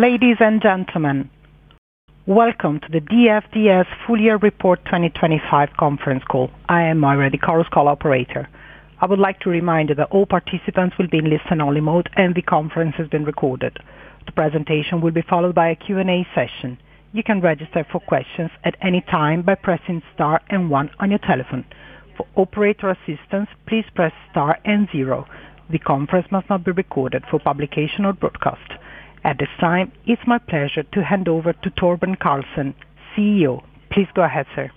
Ladies and gentlemen, welcome to the DFDS Full Year Report 2025 Conference Call. I am Margaret, the call operator. I would like to remind you that all participants will be in listen-only mode, and the conference is being recorded. The presentation will be followed by a Q&A session. You can register for questions at any time by pressing star and one on your telephone. For operator assistance, please press star and zero. The conference must not be recorded for publication or broadcast. At this time, it's my pleasure to hand over to Torben Carlsen, CEO. Please go ahead, sir.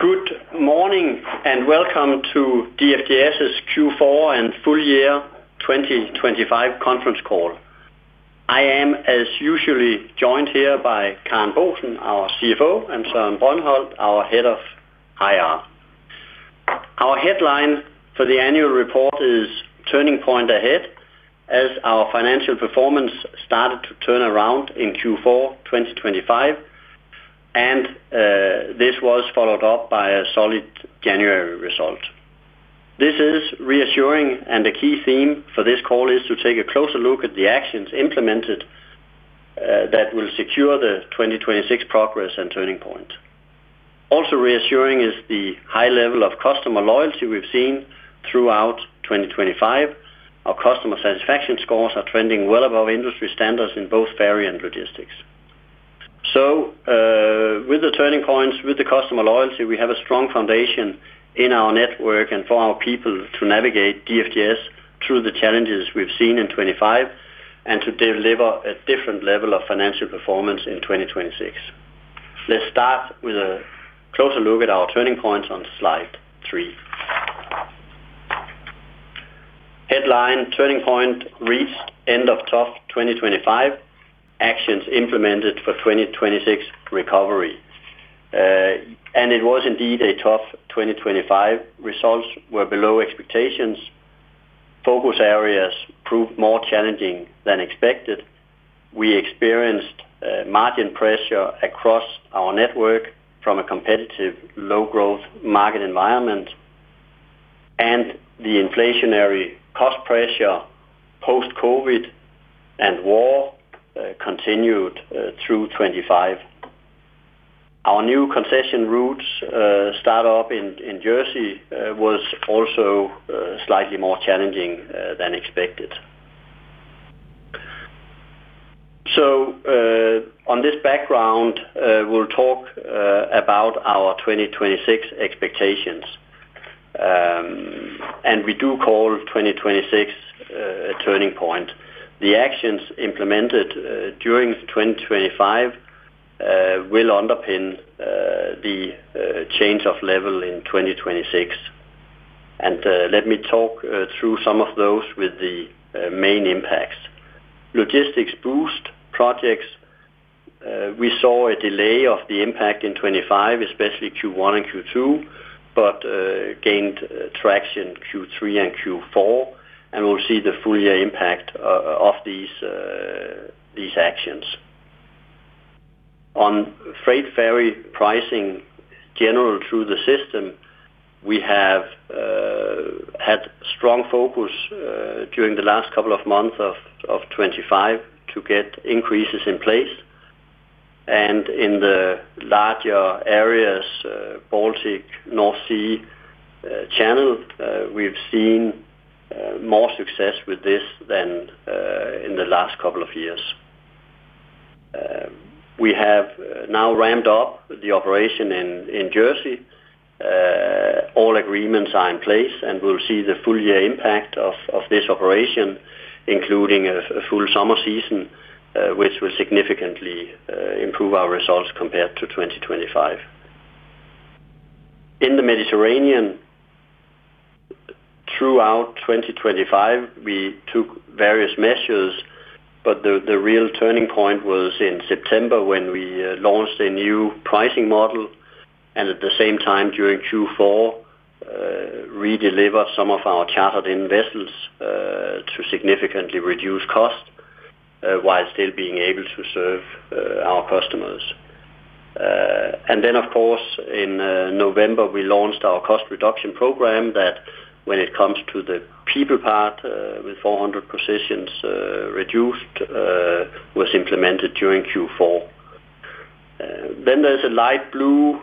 Good morning, and welcome to DFDS's Q4 and Full Year 2025 Conference Call. I am, as usually, joined here by Karen Boesen, our CFO, and Søren Brøndholt Nielsen, our head of IR. Our headline for the annual report is Turning Point Ahead, as our financial performance started to turn around in Q4 2025, and this was followed up by a solid January result. This is reassuring, and the key theme for this call is to take a closer look at the actions implemented that will secure the 2026 progress and turning point. Also reassuring is the high level of customer loyalty we've seen throughout 2025. Our customer satisfaction scores are trending well above industry standards in both ferry and logistics. With the turning points, with the customer loyalty, we have a strong foundation in our network and for our people to navigate DFDS through the challenges we've seen in 2025 and to deliver a different level of financial performance in 2026. Let's start with a closer look at our turning points on slide three. Headline, turning point reached end of tough 2025, actions implemented for 2026 recovery. It was indeed a tough 2025. Results were below expectations. Focus areas proved more challenging than expected. We experienced margin pressure across our network from a competitive low growth market environment, and the inflationary cost pressure, post-COVID and war, continued through 2025. Our new concession routes start up in Jersey was also slightly more challenging than expected. So, on this background, we'll talk about our 2026 expectations. And we do call 2026 a turning point. The actions implemented during 2025 will underpin the change of level in 2026. Let me talk through some of those with the main impacts. Logistics boost projects. We saw a delay of the impact in 2025, especially Q1 and Q2, but gained traction Q3 and Q4, and we'll see the full year impact of these actions. On freight ferry pricing, general through the system, we have had strong focus during the last couple of months of 2025 to get increases in place. In the larger areas, Baltic, North Sea, Channel, we've seen more success with this than in the last couple of years. We have now ramped up the operation in Jersey. All agreements are in place, and we'll see the full year impact of this operation, including a full summer season, which will significantly improve our results compared to 2025. In the Mediterranean, throughout 2025, we took various measures, but the real turning point was in September, when we launched a new pricing model, and at the same time, during Q4, redeliver some of our chartered-in vessels to significantly reduce cost, while still being able to serve our customers. And then, of course, in November, we launched our cost reduction program that when it comes to the people part, with 400 positions reduced, was implemented during Q4. Then there's a light blue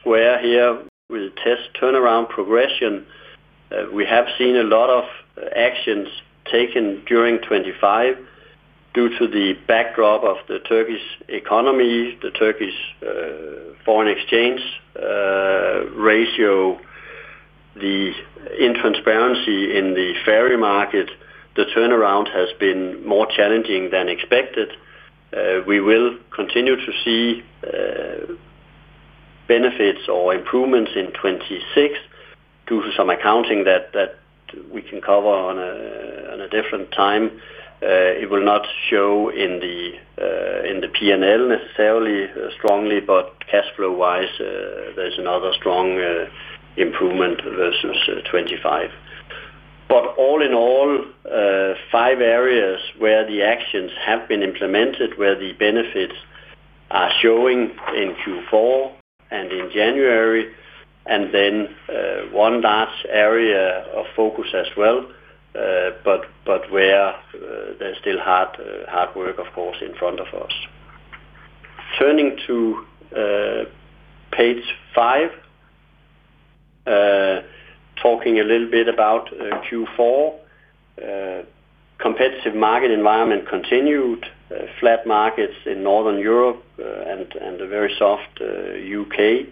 square here with a TES turnaround progression. We have seen a lot of actions taken during 2025 due to the backdrop of the Turkish economy, the Turkish foreign exchange ratio, the intransparency in the ferry market; the turnaround has been more challenging than expected. We will continue to see benefits or improvements in 2026 due to some accounting that we can cover on a different time. It will not show in the P&L necessarily strongly, but cash flow-wise, there's another strong improvement versus 2025. But all in all, five areas where the actions have been implemented, where the benefits showing in Q4 and in January, and then, one large area of focus as well, but where there's still hard, hard work, of course, in front of us. Turning to page five, talking a little bit about Q4. Competitive market environment continued, flat markets in Northern Europe, and a very soft UK.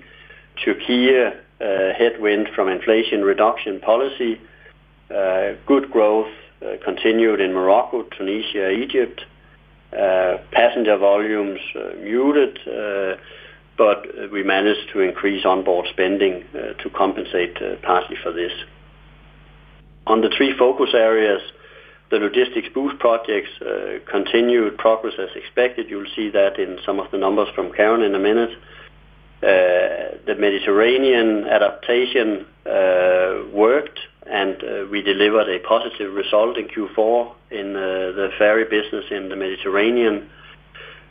Turkey, headwind from inflation reduction policy. Good growth continued in Morocco, Tunisia, Egypt. Passenger volumes muted, but we managed to increase onboard spending to compensate partly for this. On the three focus areas, the logistics boost projects continued progress as expected. You'll see that in some of the numbers from Karen in a minute. The Mediterranean adaptation worked, and we delivered a positive result in Q4 in the ferry business in the Mediterranean.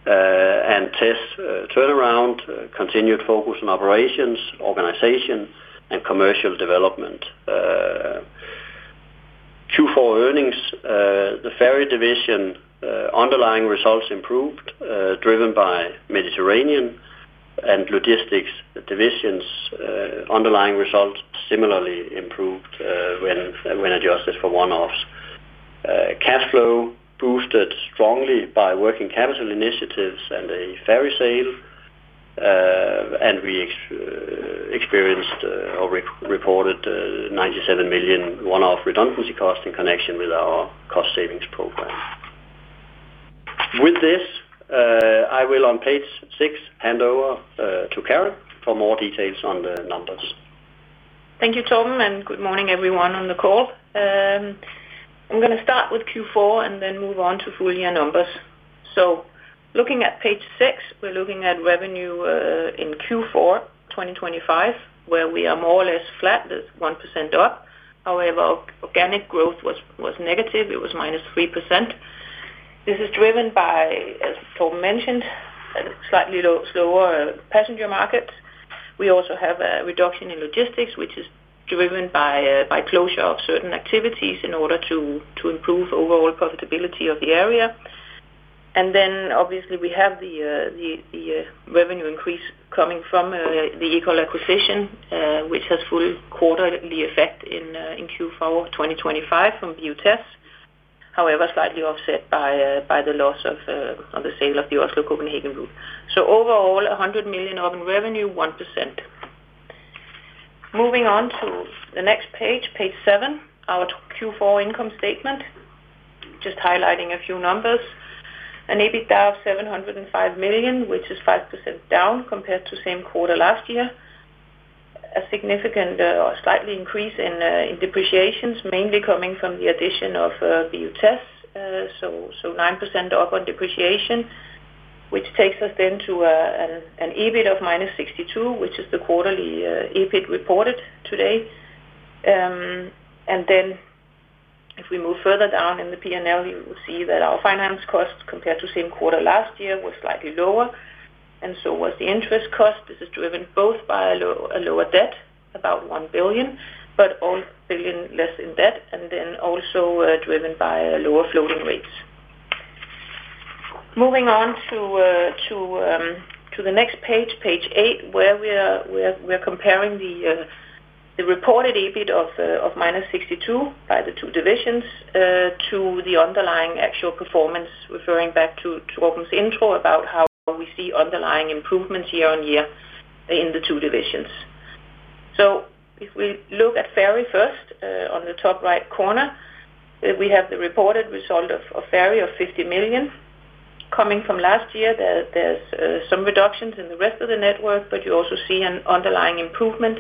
And test turnaround continued focus on operations, organization, and commercial development. Q4 earnings, the ferry division underlying results improved, driven by Mediterranean and logistics divisions. Underlying results similarly improved when adjusted for one-offs. Cash flow boosted strongly by working capital initiatives and a ferry sale, and we experienced or reported 97 million one-off redundancy cost in connection with our cost savings program. With this, I will on page six hand over to Karen for more details on the numbers. Thank you, Torben, and good morning everyone on the call. I'm gonna start with Q4 and then move on to full year numbers. So looking at page six, we're looking at revenue in Q4, 2025, where we are more or less flat, there's 1% up. However, organic growth was negative, it was -3%. This is driven by, as Torben mentioned, a slightly slower passenger market. We also have a reduction in logistics, which is driven by closure of certain activities in order to improve overall profitability of the area. And then, obviously, we have the revenue increase coming from the Ekol acquisition, which has full quarterly effect in Q4 of 2025 from BU TES. However, slightly offset by the loss of on the sale of the Oslo Copenhagen route. So overall, 100 million EUR in revenue, 1%. Moving on to the next page, page seven, our Q4 income statement, just highlighting a few numbers. An EBITDA of 705 million, which is 5% down compared to same quarter last year. A significant or slight increase in depreciations, mainly coming from the addition of BU TES. So nine percent up on depreciation, which takes us then to an EBIT of -62 million, which is the quarterly EBIT reported today. And then if we move further down in the P&L, you will see that our finance costs compared to same quarter last year were slightly lower, and so was the interest cost. This is driven both by a lower debt, about 1 billion, but a billion less in debt, and then also driven by lower floating rates. Moving on to the next page, page eight, where we are comparing the reported EBIT of -62 million by the two divisions to the underlying actual performance, referring back to Torben's intro about how we see underlying improvements year-on-year in the two divisions. So if we look at ferry first, on the top right corner, we have the reported result of ferry of 50 million. Coming from last year, there's some reductions in the rest of the network, but you also see an underlying improvement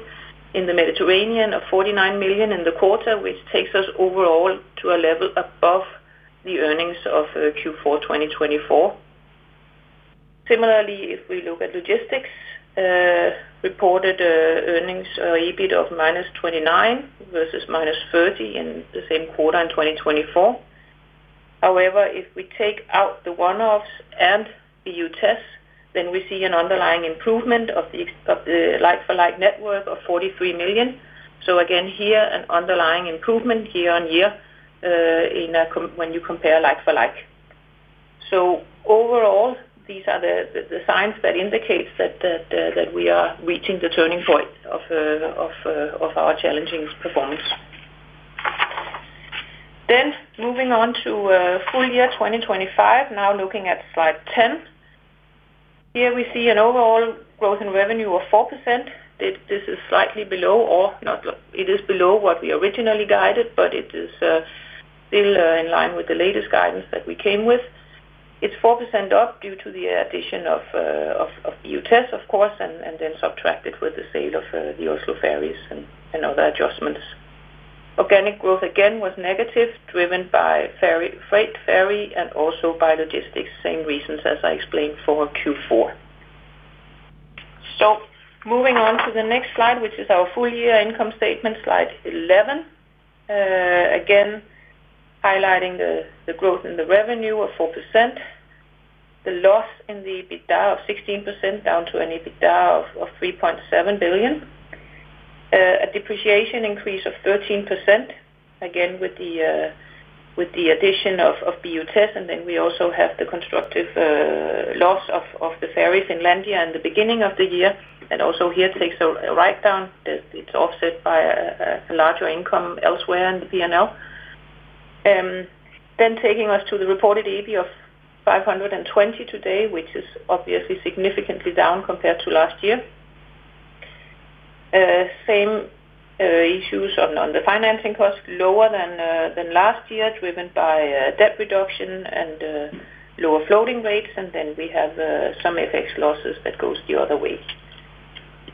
in the Mediterranean of 49 million in the quarter, which takes us overall to a level above the earnings of Q4 2024. Similarly, if we look at logistics, reported earnings or EBIT of minus 29 million versus minus 30 million in the same quarter in 2024. However, if we take out the one-offs and BU TES, then we see an underlying improvement of the like for like network of 43 million. Again, here, an underlying improvement year on year, when you compare like for like. Overall, these are the signs that indicate that we are reaching the turning point of our challenging performance. Moving on to full year 2025, now looking at slide 10. Here we see an overall growth in revenue of 4%. This is slightly below or not, it is below what we originally guided, but it is still in line with the latest guidance that we came with. It's 4% up due to the addition of BU TES, of course, and then subtracted with the sale of the Oslo ferries and other adjustments. Organic growth, again, was negative, driven by ferry, freight ferry, and also by logistics. Same reasons as I explained for Q4. So moving on to the next slide, which is our full year income statement, slide 11. Again, highlighting the growth in the revenue of 4%, the loss in the EBITDA of 16%, down to an EBITDA of 3.7 billion. A depreciation increase of 13%, again, with the addition of BU TES, and then we also have the constructive loss of the ferries in Finlandia in the beginning of the year, and also here takes a write-down. It's offset by a larger income elsewhere in the P&L. Taking us to the reported EBIT of 520 million today, which is obviously significantly down compared to last year. Same issues on the financing cost, lower than last year, driven by debt reduction and lower floating rates, and then we have some FX losses that goes the other way.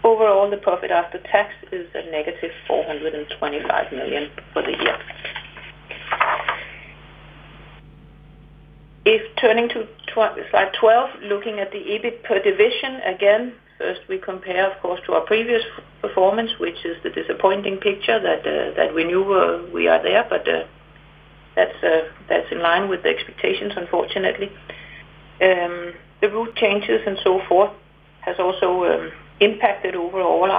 Overall, the profit after tax is -425 million for the year. If turning to slide 12, looking at the EBIT per division, again, first, we compare, of course, to our previous performance, which is the disappointing picture that we knew we are there, but that's in line with the expectations, unfortunately. The route changes and so forth has also impacted overall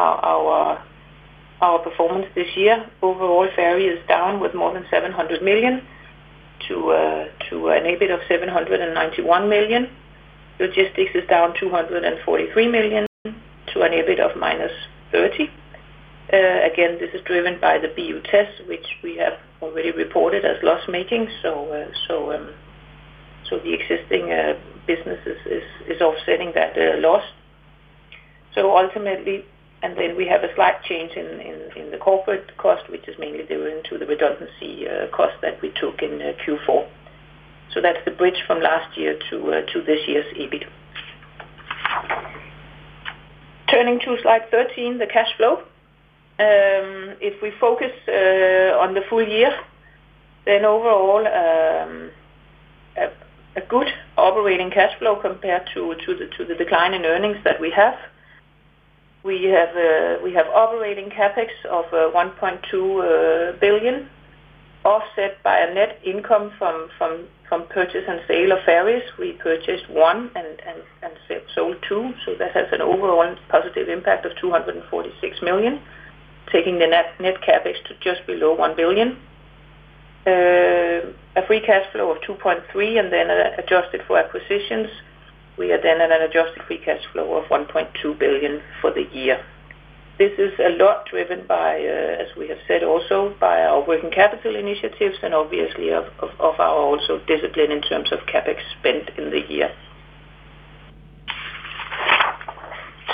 our performance this year. Overall, ferry is down with more than 700 million to an EBIT of 791 million. Logistics is down 243 million to an EBIT of -30 million. Again, this is driven by the BU TES, which we have already reported as loss-making. So the existing business is offsetting that loss. So ultimately, and then we have a slight change in the corporate cost, which is mainly due to the redundancy cost that we took in Q4. So that's the bridge from last year to this year's EBIT. Turning to slide 13, the cash flow. If we focus on the full year, then overall, a good operating cash flow compared to the decline in earnings that we have. We have operating CapEx of 1.2 billion, offset by a net income from purchase and sale of ferries. We purchased one and sold two, so that has an overall positive impact of 246 million, taking the net CapEx to just below 1 billion. A free cash flow of 2.3 billion, and then adjusted for acquisitions, we are then at an adjusted free cash flow of 1.2 billion for the year. This is a lot driven by, as we have said, also, by our working capital initiatives and obviously of our also discipline in terms of CapEx spent in the year.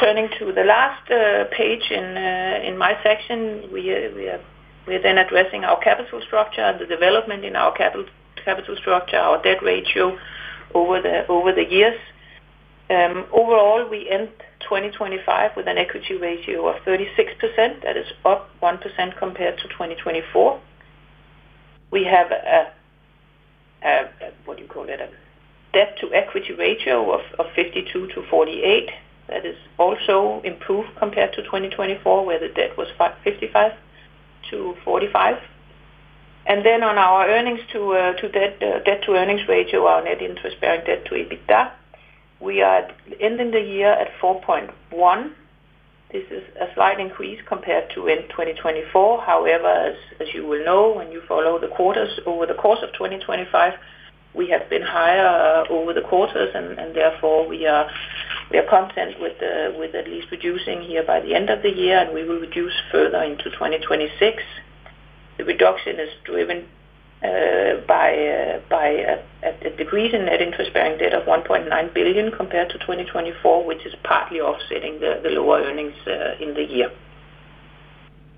Turning to the last page in my section, we are then addressing our capital structure and the development in our capital structure, our debt ratio over the years. Overall, we end 2025 with an equity ratio of 36%. That is up 1% compared to 2024. We have a, what do you call it? A debt-to-equity ratio of 52/48. That is also improved compared to 2024, where the debt was fifty-five to forty-five. Then on our earnings to debt to earnings ratio, our net interest-bearing debt to EBITDA, we are ending the year at 4.1. This is a slight increase compared to in 2024. However, as you will know, when you follow the quarters over the course of 2025, we have been higher over the quarters, and therefore, we are content with at least reducing here by the end of the year, and we will reduce further into 2026. The reduction is driven by a decrease in net interest-bearing debt of 1.9 billion compared to 2024, which is partly offsetting the lower earnings in the year.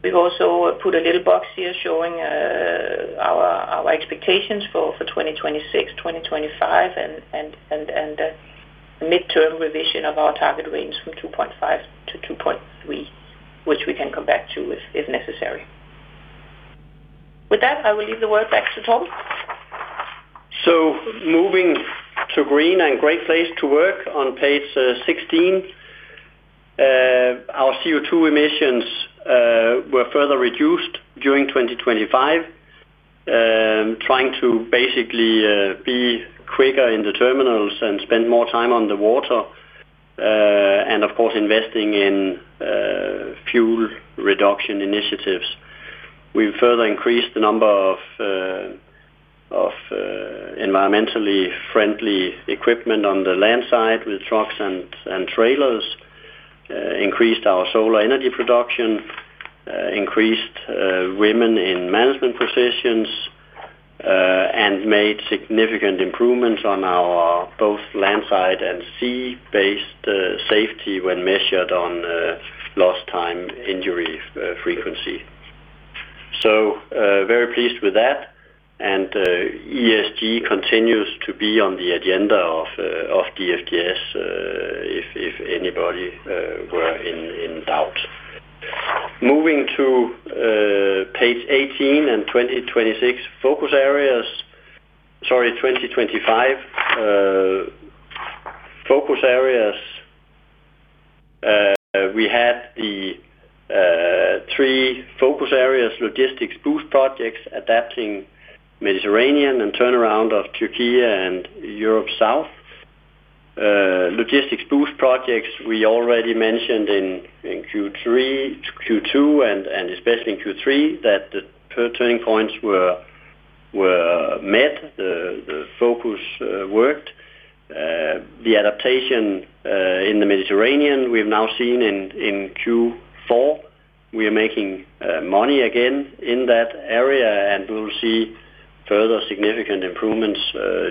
We've also put a little box here showing our expectations for 2026, 2025, and mid-term revision of our target range from 2.5 to 2.3, which we can come back to if necessary. With that, I will leave the word back to Tom. So moving to Green and Great Place to Work on page 16. Our CO2 emissions were further reduced during 2025, trying to basically be quicker in the terminals and spend more time on the water, and of course, investing in fuel reduction initiatives. We've further increased the number of environmentally friendly equipment on the landside with trucks and trailers, increased our solar energy production, increased women in management positions, and made significant improvements on our both landside and sea-based safety when measured on lost time injury frequency. So, very pleased with that, and ESG continues to be on the agenda of DFDS, if anybody were in doubt. Moving to page 18 and 2026 focus areas. Sorry, 2025 focus areas. We had the three focus areas, logistics boost projects, adapting Mediterranean and turnaround of Turkey and Europe South. Logistics boost projects, we already mentioned in Q3, Q2, and especially in Q3, that the turning points were met. The focus worked. The adaptation in the Mediterranean, we've now seen in Q4, we are making money again in that area, and we'll see further significant improvements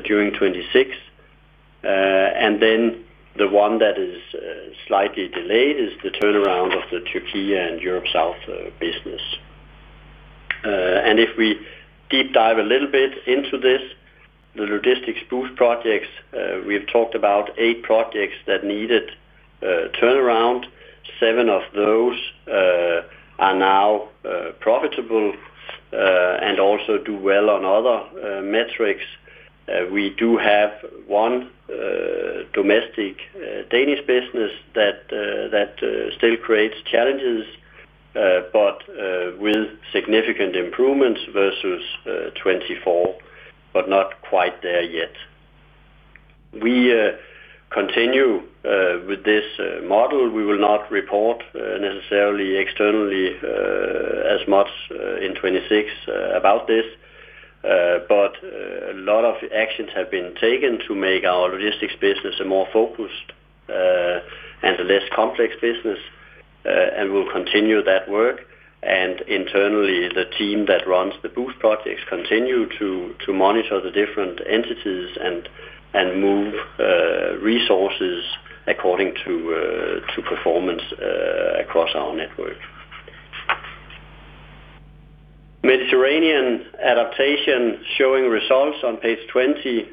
during 2026. And then the one that is slightly delayed is the turnaround of the Turkey and Europe South business. And if we deep dive a little bit into this, the logistics boost projects, we've talked about 8 projects that needed turnaround. Seven of those are now profitable and also do well on other metrics. We do have one domestic Danish business that still creates challenges, but with significant improvements versus 2024, but not quite there yet. We continue with this model. We will not report necessarily externally as much in 2026 about this. But a lot of actions have been taken to make our logistics business a more focused and a less complex business, and we'll continue that work. Internally, the team that runs the boost projects continue to monitor the different entities and move resources according to performance across our network. Mediterranean adaptation showing results on page 20.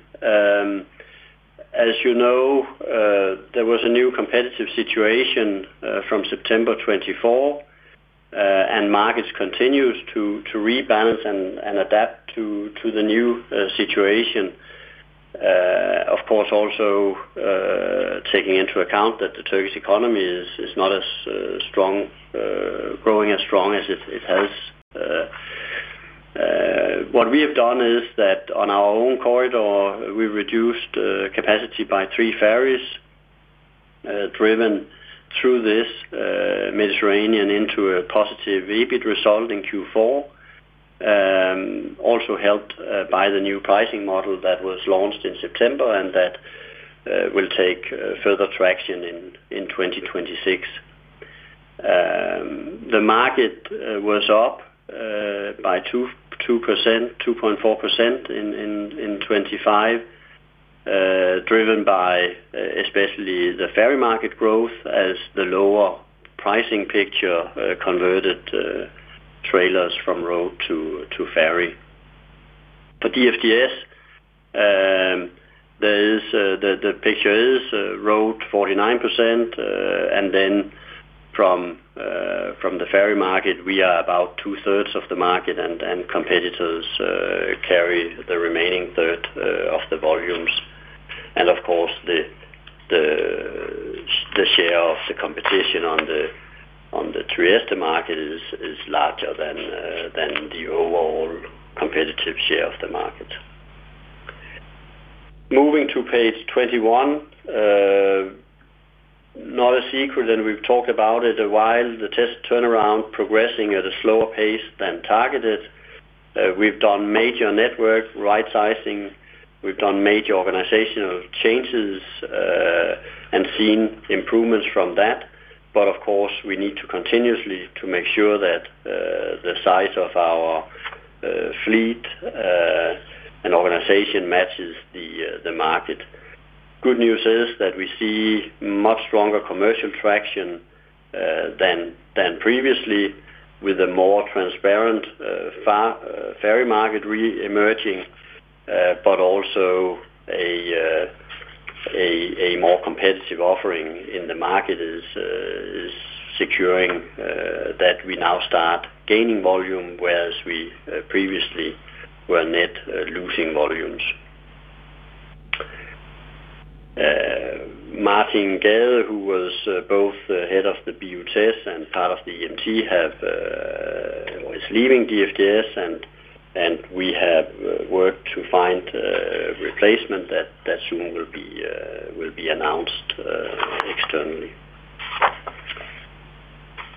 As you know, there was a new competitive situation from September 2024, and markets continues to rebalance and adapt to the new situation. Of course, also taking into account that the Turkish economy is not as strong growing as strong as it has. What we have done is that on our own corridor, we reduced capacity by three ferries, driven through this Mediterranean into a positive EBIT result in Q4. Also helped by the new pricing model that was launched in September, and that will take further traction in 2026. The market was up by 2.4% in 2025, driven by especially the ferry market growth as the lower pricing picture converted trailers from road to ferry. For DFDS, the picture is road 49%, and then from the ferry market, we are about 2/3 of the market, and competitors carry the remaining third of the volumes. And of course, the share of the competition on the Trieste market is larger than the overall competitive share of the market. Moving to page 21, not a secret, and we've talked about it a while, the TES turnaround progressing at a slower pace than targeted. We've done major network rightsizing, we've done major organizational changes, and seen improvements from that. But of course, we need to continuously to make sure that the size of our fleet and organization matches the market. Good news is that we see much stronger commercial traction than previously, with a more transparent ferry market reemerging, but also a more competitive offering in the market is securing that we now start gaining volume, whereas we previously were net losing volumes. Martin Gade, who was both the head of the BU TES and part of the EMT, is leaving DFDS, and we have worked to find a replacement that soon will be announced externally.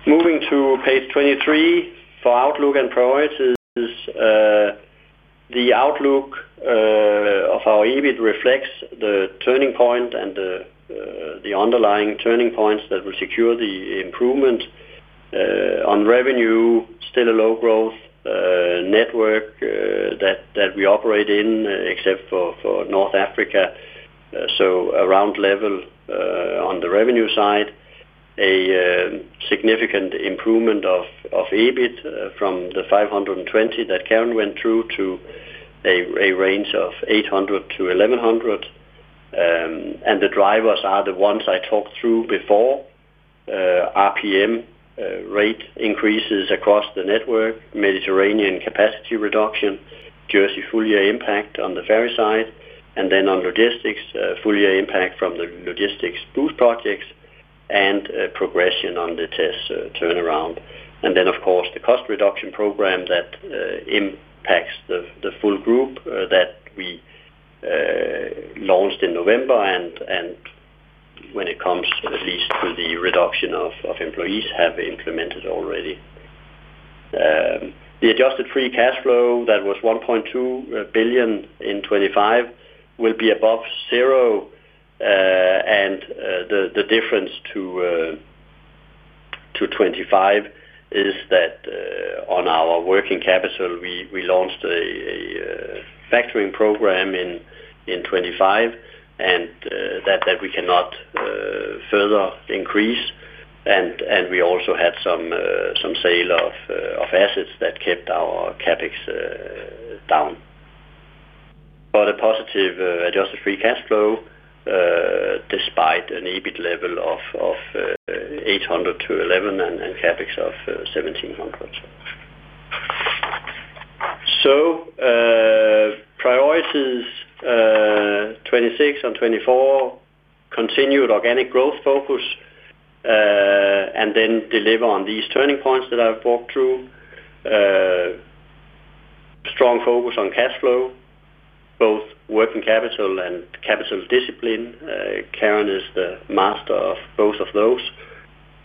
Moving to page 23, for outlook and priorities, the outlook of our EBIT reflects the turning point and the underlying turning points that will secure the improvement on revenue, still a low growth network that we operate in, except for North Africa. So around level on the revenue side, significant improvement of EBIT from the 520 that Karen went through to a range of 800-1,100. And the drivers are the ones I talked through before, RPM, rate increases across the network, Mediterranean capacity reduction, Jersey full year impact on the ferry side, and then on logistics, full year impact from the logistics boost projects and progression on the TES turnaround. Of course, the cost reduction program that impacts the full group, that we launched in November, when it comes at least to the reduction of employees, have implemented already. The adjusted free cash flow, that was 1.2 billion in 2025, will be above zero, and the difference to 2025 is that, on our working capital, we launched a factoring program in 2025, and that we cannot further increase, and we also had some sale of assets that kept our CapEx down. A positive adjusted free cash flow, despite an EBIT level of 800-1,100, and CapEx of 1,700. So, priorities, 2026 and 2024, continued organic growth focus, and then deliver on these turning points that I've walked through. Strong focus on cash flow, both working capital and capital discipline. Karen is the master of both of those.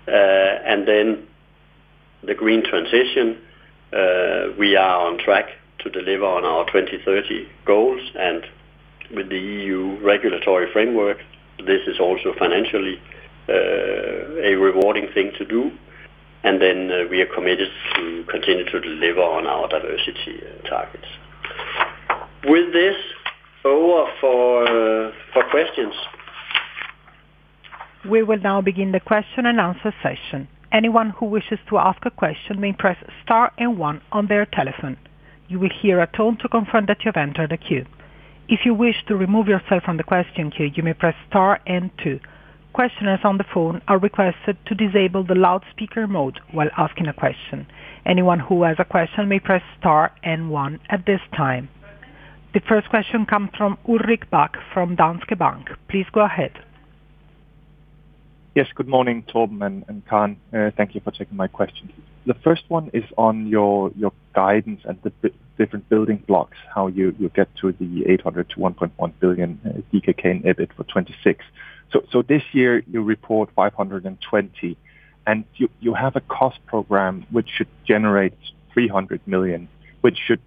And then the green transition, we are on track to deliver on our 2030 goals, and with the EU regulatory framework, this is also financially, a rewarding thing to do. And then, we are committed to continue to deliver on our diversity targets. With this, over for, for questions. We will now begin the question-and-answer session. Anyone who wishes to ask a question may press star and one on their telephone. You will hear a tone to confirm that you have entered a queue. If you wish to remove yourself from the question queue, you may press star and two. Questioners on the phone are requested to disable the loudspeaker mode while asking a question. Anyone who has a question may press star and one at this time. The first question comes from Ulrik Bak from Danske Bank. Please go ahead. Yes, good morning, Torben and Karen. Thank you for taking my questions. The first one is on your guidance and the different building blocks, how you get to the 800 million-1.1 billion DKK in EBIT for 2026. So this year, you report 520, and you have a cost program which should generate 300 million, which should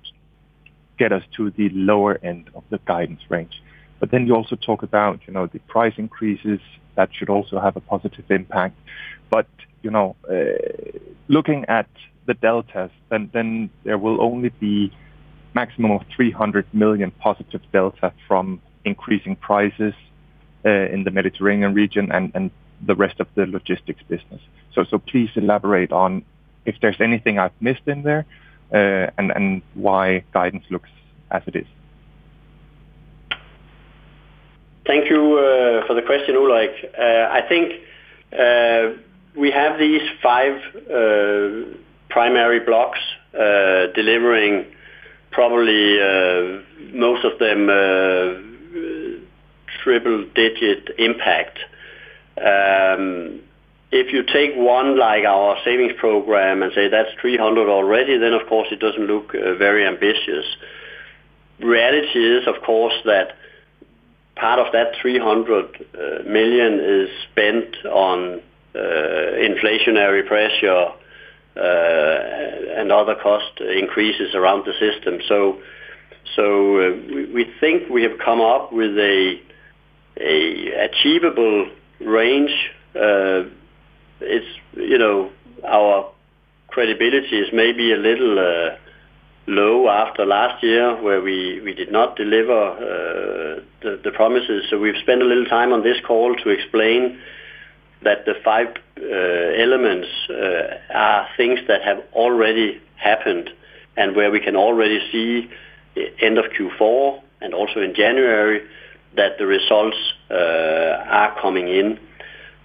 get us to the lower end of the guidance range. But then you also talk about, you know, the price increases, that should also have a positive impact. But, you know, looking at the deltas, then there will only be maximum of 300 million positive delta from increasing prices in the Mediterranean region and the rest of the logistics business. So, please elaborate on if there's anything I've missed in there, and why guidance looks as it is. Thank you for the question, Ulrik. I think we have these five primary blocks delivering probably most of them triple-digit impact. If you take one, like our savings program, and say, that's 300 already, then of course, it doesn't look very ambitious. Reality is, of course, that part of that 300 million is spent on inflationary pressure and other cost increases around the system. So we think we have come up with a achievable range. It's, you know, our credibility is maybe a little low after last year, where we did not deliver the promises. So we've spent a little time on this call to explain that the five elements are things that have already happened and where we can already see end of Q4 and also in January, that the results are coming in.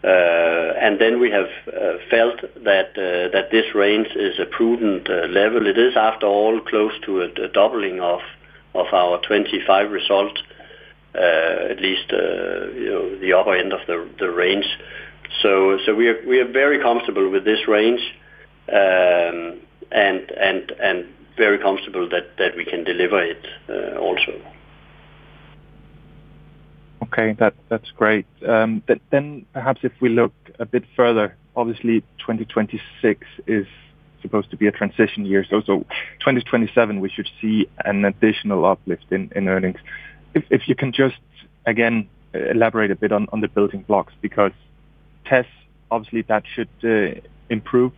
And then we have felt that this range is a prudent level. It is, after all, close to a doubling of our 2025 result, at least, you know, the upper end of the range. So we are very comfortable with this range, and very comfortable that we can deliver it, also. Okay. That, that's great. But then perhaps if we look a bit further, obviously 2026 is supposed to be a transition year. So, so 2027, we should see an additional uplift in, in earnings. If you can just, again, elaborate a bit on, on the building blocks, because TES, obviously, that should improve.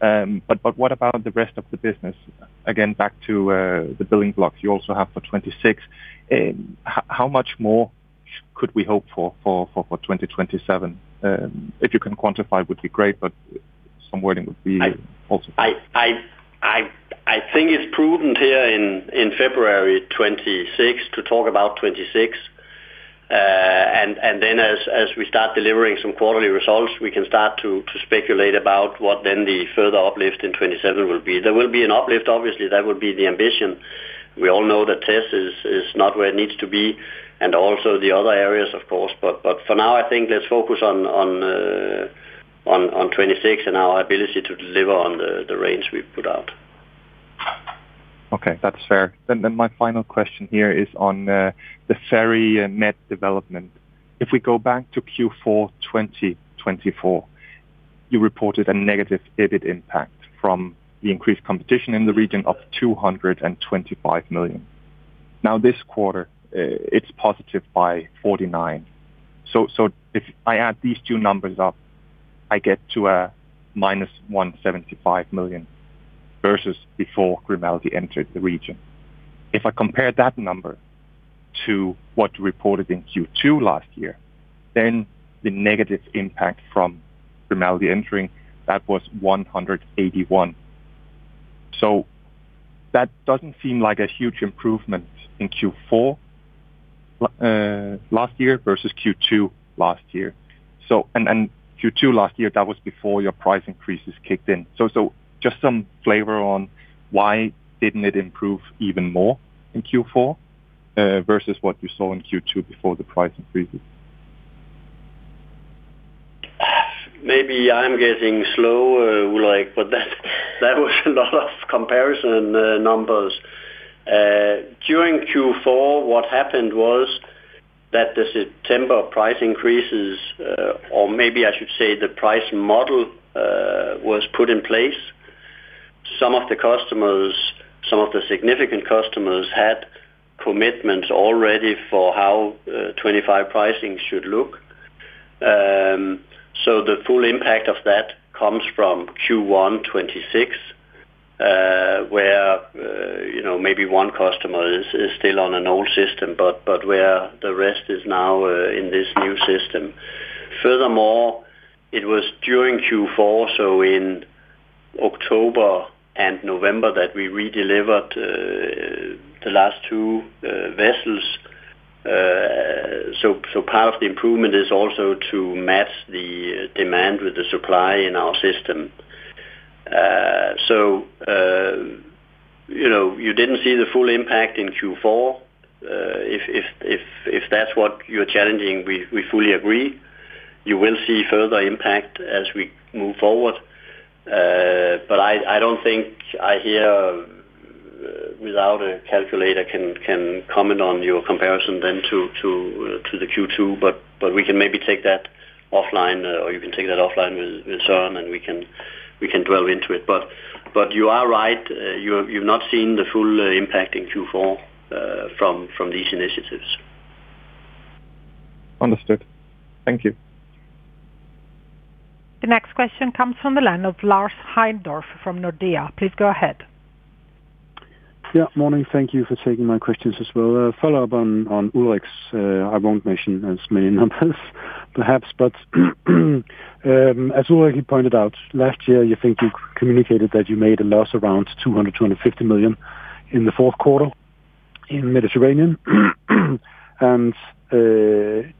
But, but what about the rest of the business? Again, back to the building blocks you also have for 2026. How much more could we hope for 2027? If you can quantify, would be great, but somewhere in the also. I think it's prudent here in February 2026 to talk about 2026. And then as we start delivering some quarterly results, we can start to speculate about what then the further uplift in 2027 will be. There will be an uplift, obviously, that would be the ambition. We all know that TES is not where it needs to be, and also the other areas, of course, but for now, I think let's focus on 2026 and our ability to deliver on the range we put out. Okay, that's fair. Then, then my final question here is on the ferry net development. If we go back to Q4 2024, you reported a negative EBIT impact from the increased competition in the region of 225 million. Now, this quarter, it's positive by 49 million. So, so if I add these two numbers up, I get to a minus 175 million versus before Grimaldi entered the region. If I compare that number to what you reported in Q2 last year, then the negative impact from Grimaldi entering, that was 181 million. So that doesn't seem like a huge improvement in Q4 last year versus Q2 last year. So, and, and Q2 last year, that was before your price increases kicked in. So, just some flavor on why didn't it improve even more in Q4 versus what you saw in Q2 before the price increases? Maybe I'm getting slow, like, but that, that was a lot of comparison numbers. During Q4, what happened was that the September price increases, or maybe I should say the price model, was put in place. Some of the customers, some of the significant customers had commitments already for how 25 pricing should look. So the full impact of that comes from Q1 2026, where you know, maybe one customer is still on an old system, but where the rest is now in this new system. Furthermore, it was during Q4, so in October and November, that we redelivered the last two vessels. So part of the improvement is also to match the demand with the supply in our system. So you know, you didn't see the full impact in Q4. If that's what you're challenging, we fully agree. You will see further impact as we move forward. But I don't think I here, without a calculator, can comment on your comparison then to the Q2, but we can maybe take that offline, or you can take that offline with Søren, and we can delve into it. But you are right, you've not seen the full impact in Q4 from these initiatives. Understood. Thank you. The next question comes from the line of Lars Heindorff from Nordea. Please go ahead. Yeah, morning. Thank you for taking my questions as well. A follow-up on Ulrik's. I won't mention as many numbers perhaps, but as Ulrik pointed out, last year, you think you communicated that you made a loss around 200-250 million in the fourth quarter in Mediterranean. And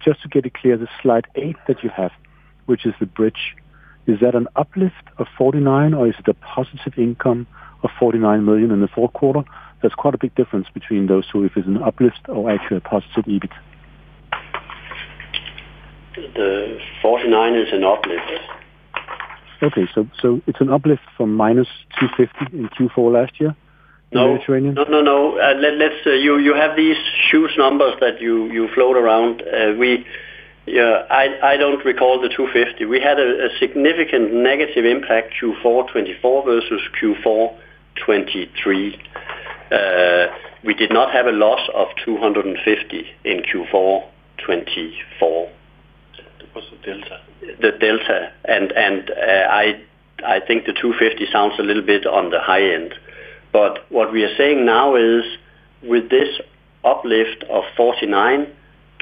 just to get it clear, the slide 8 that you have, which is the bridge, is that an uplift of 49, or is it a positive income of 49 million in the fourth quarter? There's quite a big difference between those two, if it's an uplift or actually a positive EBIT. The 49 is an uplift. Okay. So it's an uplift from -250 in Q4 last year in Mediterranean? No. Let's. You have these huge numbers that you float around. I don't recall the 250. We had a significant negative impact, Q4 2024 versus Q4 2023. We did not have a loss of 250 in Q4 2024. It was the delta. The delta. I think the 250 million sounds a little bit on the high end. But what we are saying now is, with this uplift of 49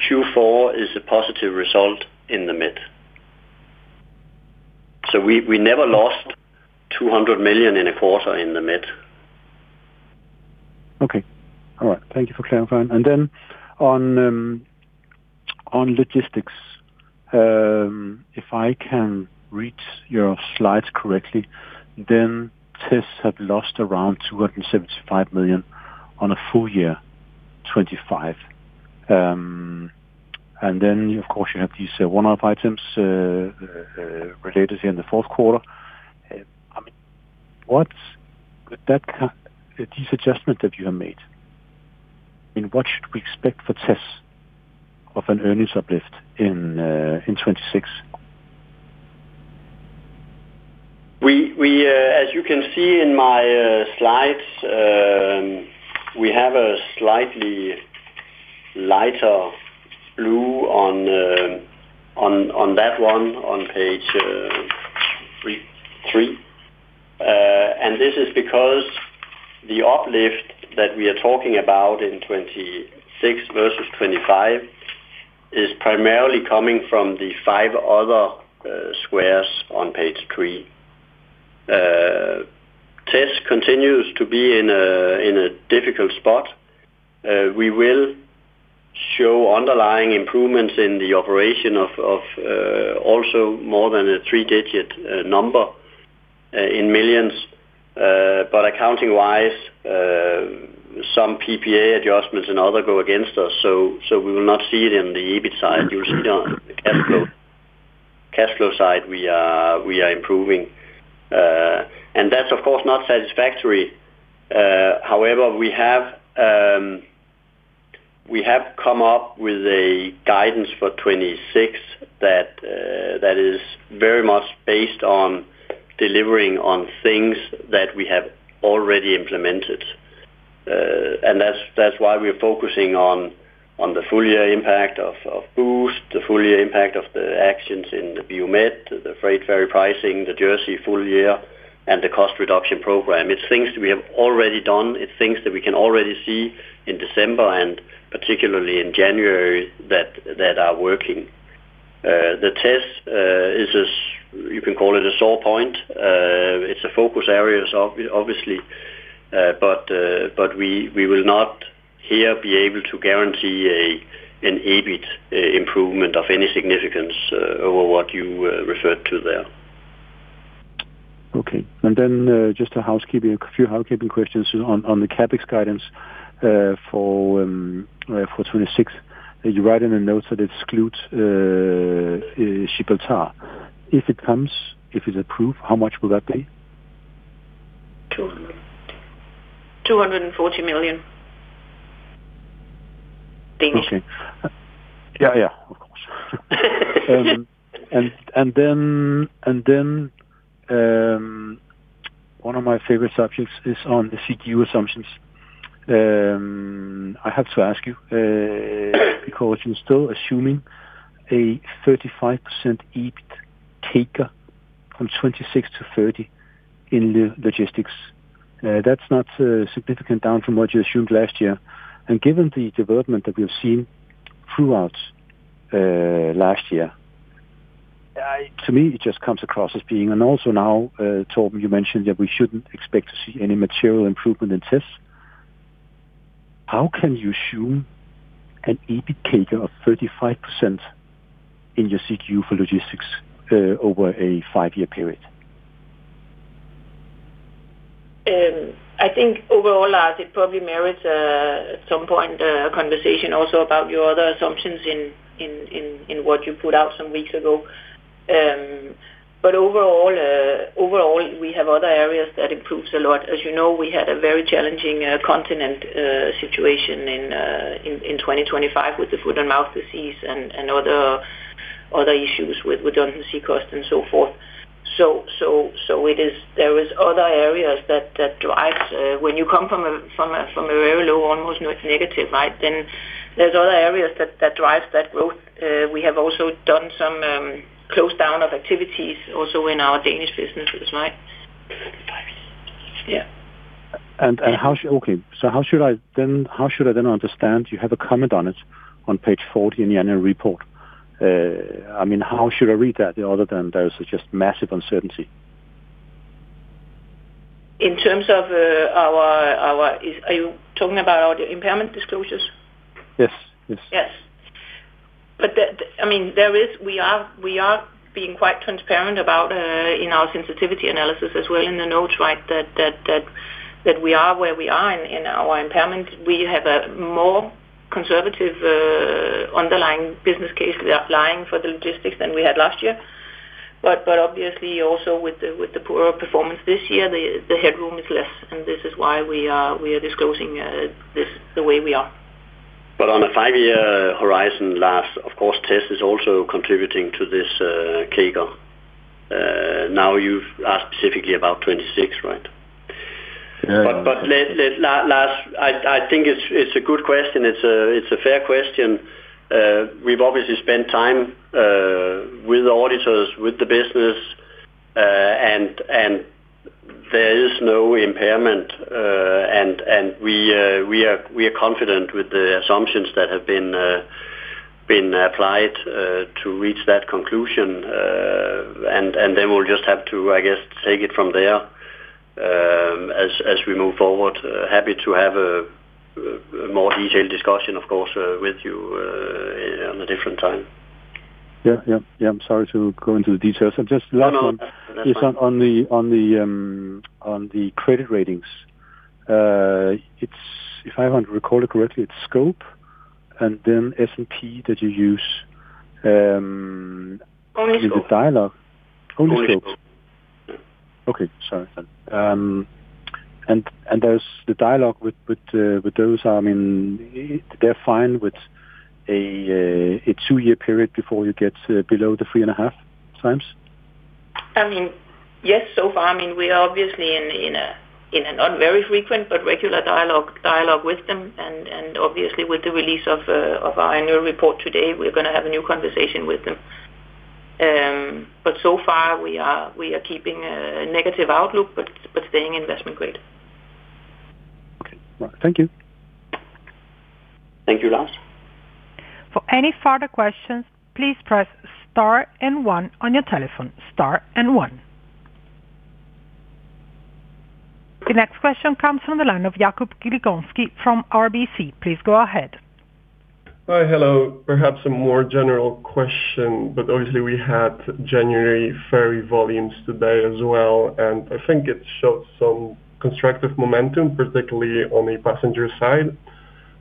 million, Q4 is a positive result in the mid. So we never lost 200 million in a quarter in the mid. Okay. All right, thank you for clarifying. And then on, on logistics, if I can read your slides correctly, then TES have lost around 275 million on a full year 2025. And then, of course, you have these one-off items, related here in the fourth quarter. I mean, what with that kind, this adjustment that you have made, and what should we expect for TES of an earnings uplift in 2026? As you can see in my slides, we have a slightly lighter blue on that one on page three. And this is because the uplift that we are talking about in 2026 versus 2025 is primarily coming from the five other squares on page three. TES continues to be in a difficult spot. We will show underlying improvements in the operation of also more than a three digit number in millions. But accounting-wise, some PPA adjustments and other go against us. So we will not see it in the EBIT side. You'll see it on the cash flow. Cash flow side, we are improving. And that's of course not satisfactory. However, we have come up with a guidance for 2026 that is very much based on delivering on things that we have already implemented. And that's why we're focusing on the full year impact of Boost, the full year impact of the actions in the Baltic, the freight ferry pricing, the Jersey full year, and the cost reduction program. It's things we have already done. It's things that we can already see in December, and particularly in January, that are working. The Baltic is a, you can call it a sore point. It's a focus area, obviously. But we will not here be able to guarantee an EBIT improvement of any significance over what you referred to there. Okay. Then, just a few housekeeping questions. On the CapEx guidance for 2026. You write in the notes that it excludes Ship Tar. If it's approved, how much will that be? DKK 240 million Danish. Okay. Yeah, yeah, of course. And then, one of my favorite subjects is on the CQ assumptions. I have to ask you, because you're still assuming a 35% EBIT take from 2026 to 2030 in the logistics. That's not significant down from what you assumed last year. And given the development that we've seen throughout last year, I to me, it just comes across as being, and also now, Torben, you mentioned that we shouldn't expect to see any material improvement in TES. How can you assume an EBIT CAGR of 35% in your CQ for logistics over a five year period? I think overall, as it probably merits, at some point, a conversation also about your other assumptions in what you put out some weeks ago. But overall, overall, we have other areas that improves a lot. As you know, we had a very challenging continent situation in 2025 with the foot-and-mouth disease and other issues with the sea coast and so forth. So it is- there is other areas that drives when you come from a very low, almost negative, right? Then there's other areas that drives that growth. We have also done some close down of activities also in our Danish businesses, right? Yeah. Okay, so how should I then understand you have a comment on it on page 40 in the annual report? I mean, how should I read that other than there is just massive uncertainty? In terms of our are you talking about our impairment disclosures? Yes. Yes. Yes. But that, I mean, we are being quite transparent about in our sensitivity analysis as well in the notes, right? That we are where we are in our impairment. We have a more conservative underlying business case we are applying for the logistics than we had last year. But obviously also with the poorer performance this year, the headroom is less, and this is why we are disclosing this the way we are. But on a five-year horizon last, of course, TES is also contributing to this CAGR. Now, you've asked specifically about 2026, right? Yeah. But last, I think it's a good question. It's a fair question. We've obviously spent time with the auditors, with the business, and there is no impairment. We are confident with the assumptions that have been applied to reach that conclusion. Then we'll just have to, I guess, take it from there, as we move forward. Happy to have a more detailed discussion, of course, with you, on a different time. Yeah. Yeah, yeah. I'm sorry to go into the details. I just No, no. On the credit ratings, it's If I recall it correctly, it's Scope and then S&P that you use. Only scope. The dialogue. Only Scope? Only scope. Okay, sorry. And there's the dialogue with those, I mean, they're fine with a two year period before you get below the 3.5 times? I mean, yes, so far. I mean, we are obviously in a not very frequent, but regular dialogue with them, and obviously with the release of our annual report today, we're gonna have a new conversation with them. But so far, we are keeping a negative outlook, but staying investment grade. Okay. Well, thank you. Thank you, Lars. For any further questions, please press star and one on your telephone. Star and one. The next question comes from the line of Jakub Gligonski from RBC. Please go ahead. Hi, hello. Perhaps a more general question, but obviously we had January ferry volumes today as well, and I think it shows some constructive momentum, particularly on the passenger side,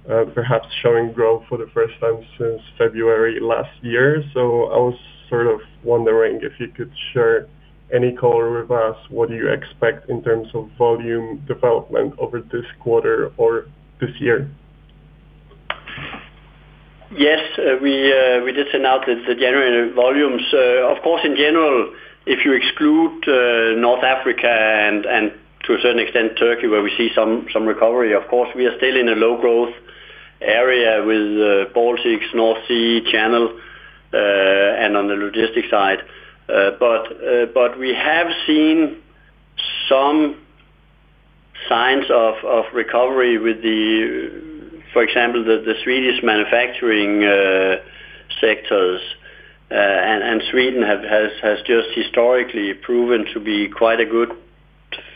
perhaps showing growth for the first time since February last year. So I was sort of wondering if you could share any color with us, what do you expect in terms of volume development over this quarter or this year? Yes, we just announced the January volumes. Of course, in general, if you exclude North Africa and to a certain extent Turkey, where we see some recovery, of course, we are still in a low growth area with Baltics, North Sea, Channel, and on the logistics side. But we have seen some signs of recovery with the... For example, the Swedish manufacturing sectors, and Sweden has just historically proven to be quite a good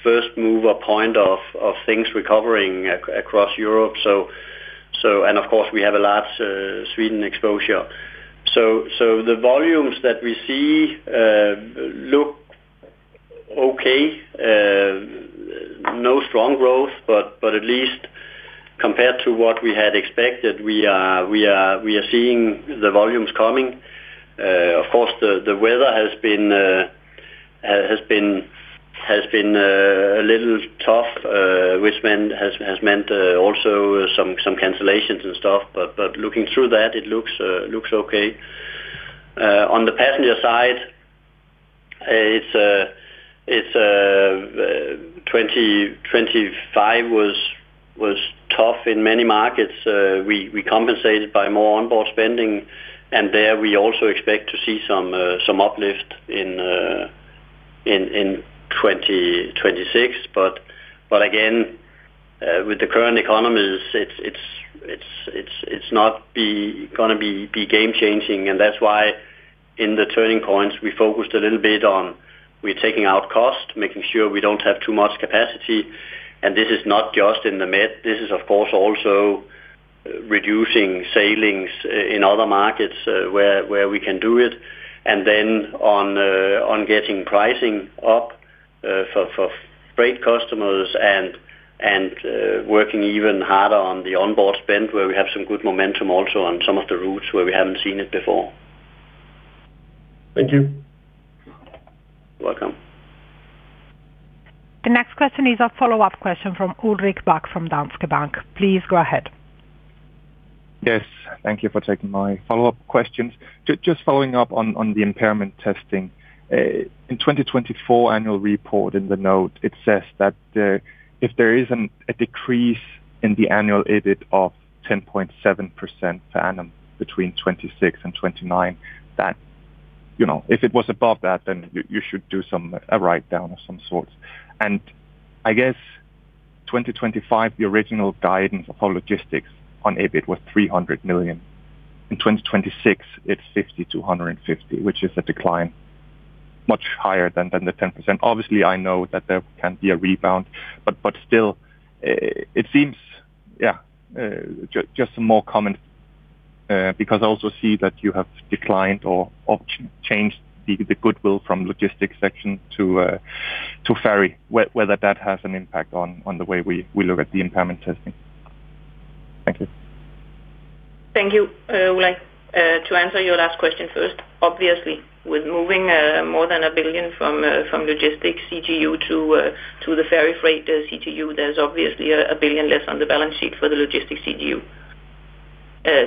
first mover point of things recovering across Europe. And of course, we have a large Sweden exposure. So the volumes that we see look okay, no strong growth, but at least compared to what we had expected, we are seeing the volumes coming. Of course, the weather has been a little tough, which meant also some cancellations and stuff. But looking through that, it looks okay. On the passenger side, it's 2025 was tough in many markets. We compensated by more onboard spending, and there, we also expect to see some uplift in 2026. But again, with the current economies, it's not gonna be game changing. And that's why in the turning points, we focused a little bit on, we're taking out cost, making sure we don't have too much capacity. And this is not just in the Med, this is, of course, also reducing sailings in other markets where we can do it. And then on getting pricing up for freight customers and working even harder on the onboard spend, where we have some good momentum also on some of the routes where we haven't seen it before. Thank you. You're welcome. The next question is a follow-up question from Ulrik Bak from Danske Bank. Please go ahead. Yes, thank you for taking my follow-up questions. Just following up on the impairment testing. In 2024 annual report, in the note, it says that if there is a decrease in the annual EBIT of 10.7% per annum between 2026 and 2029, that you know, if it was above that, then you should do some a write down of some sort. And I guess 2025, the original guidance for logistics on EBIT was 300 million. In 2026, it's 50-150, which is a decline much higher than the 10%. Obviously, I know that there can be a rebound, but, but still, it seems, yeah, just some more comment, because I also see that you have declined or, or changed the, the goodwill from logistics section to, to ferry, whether that has an impact on, on the way we, we look at the impairment testing. Thank you. Thank you. Well, to answer your last question first, obviously, with moving more than 1 billion from logistics CGU to the ferry freight CGU, there's obviously 1 billion less on the balance sheet for the logistics CGU.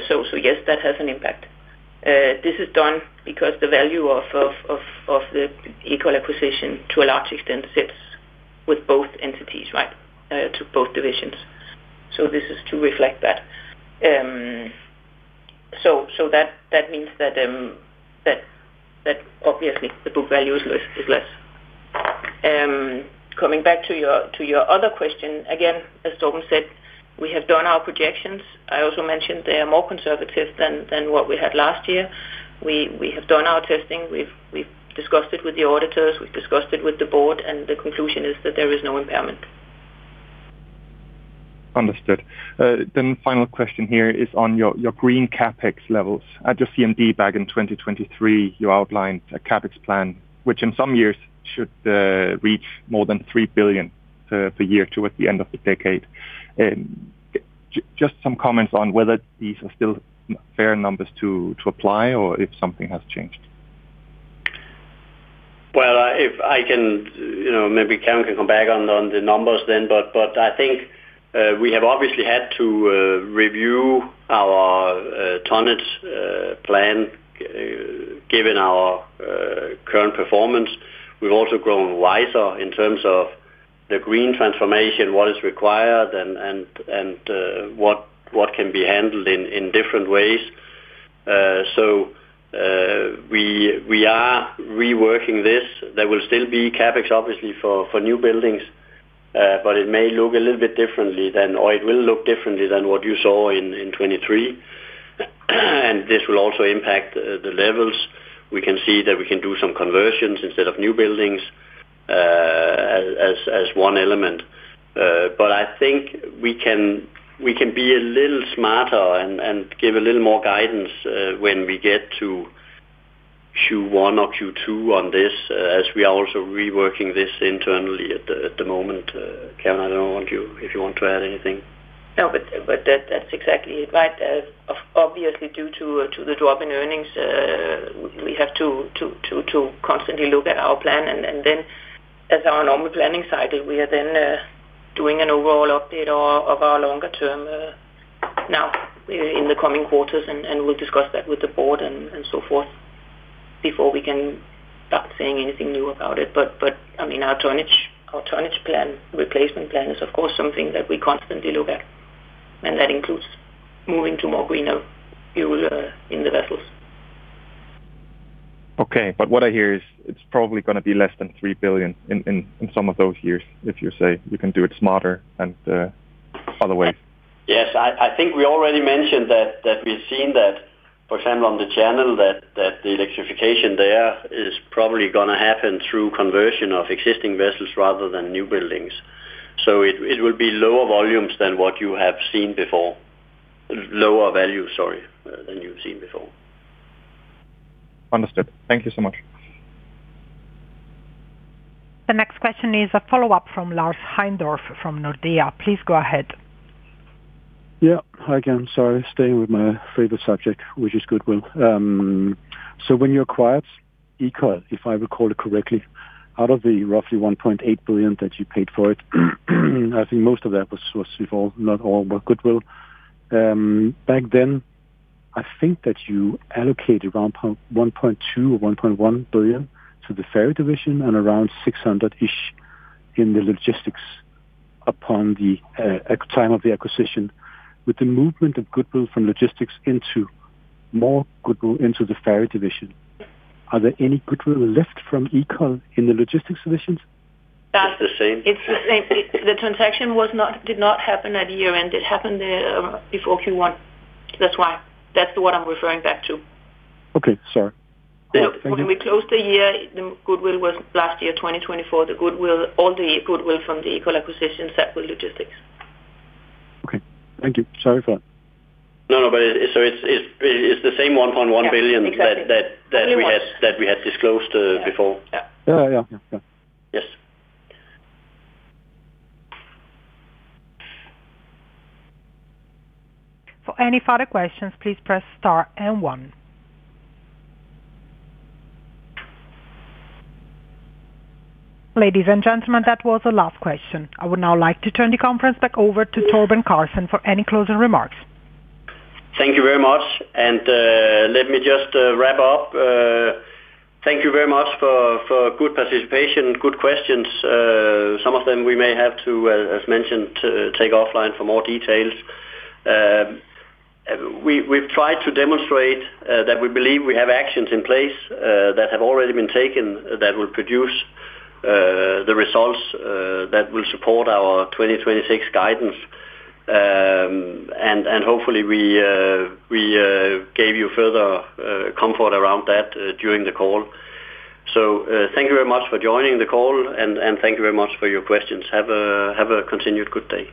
So yes, that has an impact. This is done because the value of the Ekol acquisition to a large extent sits with both entities, right? To both divisions. So this is to reflect that. So that means that obviously the book value is less. Coming back to your other question, again, as Torben said, we have done our projections. I also mentioned they are more conservative than what we had last year. We have done our testing. We've discussed it with the auditors, we've discussed it with the board, and the conclusion is that there is no impairment. Understood. Then final question here is on your green CapEx levels. At your CMD back in 2023, you outlined a CapEx plan, which in some years should reach more than 3 billion per year towards the end of the decade. Just some comments on whether these are still fair numbers to apply or if something has changed. Well, if I can, you know, maybe Cameron can come back on the numbers then, but I think we have obviously had to review our tonnage plan given our current performance. We've also grown wiser in terms of the green transformation, what is required and what can be handled in different ways. So, we are reworking this. There will still be CapEx, obviously, for new buildings, but it may look a little bit differently than, or it will look differently than what you saw in 2023. And this will also impact the levels. We can see that we can do some conversions instead of new buildings, as one element. But I think we can, we can be a little smarter and, and give a little more guidance when we get to Q1 or Q2 on this, as we are also reworking this internally at the, at the moment. Karen, I don't know if you, if you want to add anything. No, but that, that's exactly it, right? Obviously, due to the drop in earnings, we have to constantly look at our plan and then as our normal planning cycle, we are then doing an overall update of our longer term now in the coming quarters, and we'll discuss that with the board and so forth before we can start saying anything new about it. But, I mean, our tonnage plan, replacement plan is, of course, something that we constantly look at, and that includes moving to more greener fuel in the vessels. Okay, but what I hear is it's probably gonna be less than 3 billion in some of those years, if you say you can do it smarter and other way. Yes, I think we already mentioned that we've seen that, for example, on the Channel, that the electrification there is probably gonna happen through conversion of existing vessels rather than new buildings. So it will be lower volumes than what you have seen before. Lower value, sorry, than you've seen before. Understood. Thank you so much. The next question is a follow-up from Lars Heindorff, from Nordea. Please go ahead. Yeah. Hi again. Sorry, staying with my favorite subject, which is goodwill. So when you acquired Ekol, if I recall it correctly, out of the roughly 1.8 billion that you paid for it, I think most of that was, was involved, not all, but goodwill. Back then, I think that you allocated around 1.2 or 1.1 billion to the ferry division and around 600-ish in the logistics upon the time of the acquisition. With the movement of goodwill from logistics into more goodwill into the ferry division, are there any goodwill left from Ekol in the logistics solutions? That's the same. It's the same. It the transaction was not, did not happen at year-end. It happened before Q1. That's why. That's what I'm referring back to. Okay, sorry. Cool. When we closed the year, the goodwill was last year, 2024. The goodwill, all the goodwill from the Ekol acquisition sat with logistics. Okay, thank you. Sorry for that. No, no, but it's the same 1.1 billion Yeah, exactly. that we had New ones. That we had disclosed, before. Yeah. Yeah. Yeah. Yeah. Yes. For any further questions, please press star and one. Ladies and gentlemen, that was the last question. I would now like to turn the conference back over to Torben Carlsen for any closing remarks. Thank you very much, and let me just wrap up. Thank you very much for good participation, good questions. Some of them we may have to, as mentioned, take offline for more details. We've tried to demonstrate that we believe we have actions in place that have already been taken that will produce the results that will support our 2026 guidance. And hopefully we gave you further comfort around that during the call. So, thank you very much for joining the call, and thank you very much for your questions. Have a continued good day.